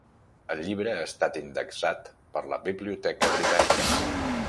El llibre ha estat indexat per la Biblioteca Britànica.